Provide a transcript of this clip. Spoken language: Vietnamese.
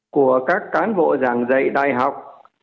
của các cán bộ giảng dạy đại học